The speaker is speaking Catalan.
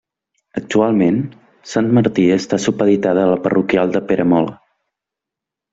Actualment, Sant Martí està supeditada a la parroquial de Peramola.